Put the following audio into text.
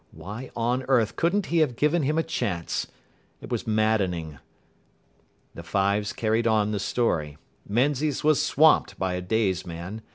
Why on earth couldn't he have given him a chance. It was maddening. The Fives carried on the story. Menzies was swamped by a Day's man.